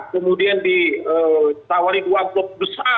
kemudian ditawari dua blok besar